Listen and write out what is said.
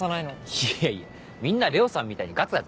いやいやみんな玲緒さんみたいにガツガツ。